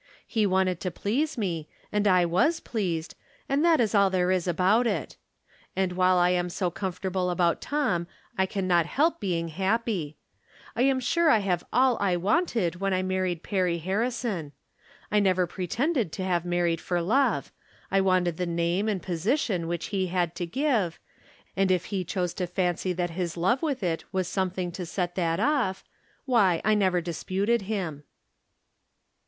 He wanted to please me, and I was pleased, and that is all there is about it. And while I am so comfortable about Tom I can not help being happy. I am sure I have all I wanted when I married Perry Harrison. I never pre tended to have married for love. I wanted the name and position which he had to give, and if he chose to fancy that his love with it was some thing to set that off, why, I never disputed him.